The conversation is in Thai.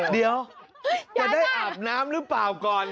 เดี๋ยวจะได้อาบน้ำหรือเปล่าก่อน